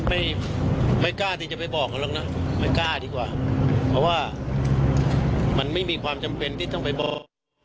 ไม่ไม่กล้าที่จะไปบอกเขาหรอกนะไม่กล้าดีกว่าเพราะว่ามันไม่มีความจำเป็นที่ต้องไปบอก